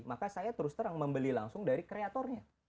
maka saya terus terang membeli langsung dari kreatornya